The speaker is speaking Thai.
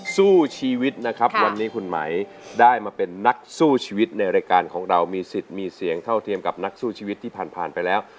สู้ชีวิตนะครับวันนี้คุณไหมได้มาเป็นนักสู้ชีวิตในรายการของเรามีสิทธิ์มีเสียงเท่าเทียมกับนักสู้ชีวิตที่ผ่านผ่านไปแล้ว